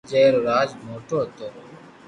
جي رو راج موٽو ھتو